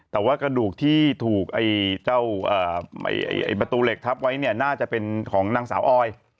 แต่ว่ากระดูกที่ถูกบริษัทบตุเล็กทับไว้น่าจะเป็นของหนังสาวออย